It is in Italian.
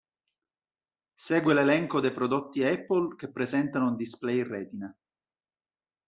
Segue l'elenco dei prodotti Apple che presentano un display Retina.